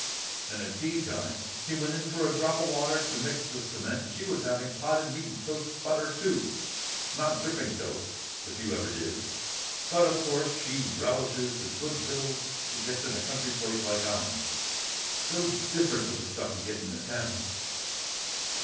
And at tea time he went in for a drop o' water to mix the cement, and she was having potted meat and toast—butter, too, not dripping toast, if you ever did. But, of course, she relishes the good vittles she gets in a country place like ourn. So different to the stuff you get in a town."